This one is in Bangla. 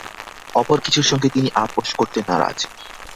অপর কিছুর সঙ্গে তিনি আপস করতে নারাজ।